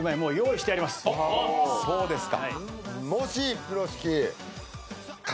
そうですか。